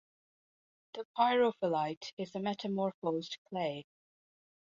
The pyrophyllite is a metamorphosed clay.